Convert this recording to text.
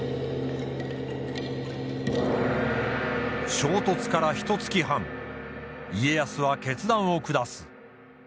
衝突からひとつき半家康は決断を下す。